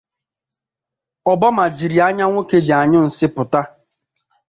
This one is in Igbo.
Obama jiri anya nwoke ji anyụ nsị pụta